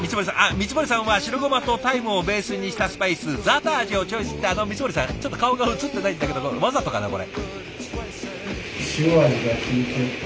光森さんは白ごまとタイムをベースにしたスパイスザーター味をチョイスってあの光森さんちょっと顔が映ってないんだけどわざとかなこれ。